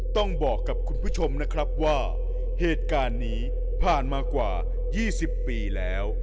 ต้องบอกกับคุณผู้ชมนะครับว่าเหตุการณ์นี้ผ่านมากว่า๒๐ปีแล้ว